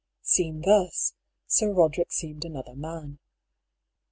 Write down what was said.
Seen thus, Sir Roderick seemed another man.